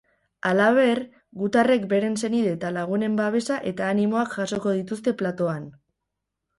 Halaber, gutarrek beren senide eta lagunen babesa eta animoak jasoko dituzte platoan.